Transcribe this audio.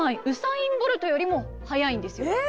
ウサイン・ボルトよりも速いんですよ。